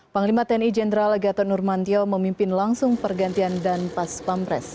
panglima tni jenderal gatot nurmantio memimpin langsung pergantian dan pas pampres